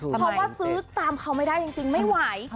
เพราะว่าซื้อตามเขาไม่ได้จริงไม่ไหว